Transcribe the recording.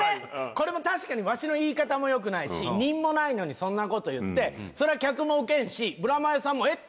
これも確かにワシの言い方もよくないしニンもないのにそんなこと言ってそりゃ客もウケんしブラマヨさんもえっ？